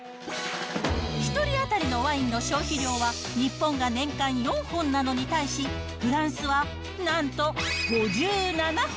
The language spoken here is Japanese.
１人当たりのワインの消費量は、日本が年間４本なのに対し、フランスはなんと５７本。